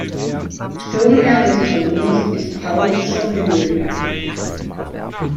Schirmherr des Turniers ist Paul Schockemöhle.